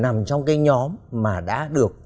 nằm trong cái nhóm mà đã được